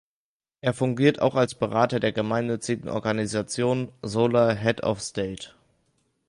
Er fungiert auch als Berater der gemeinnützigen Organisation "Solar Head of State".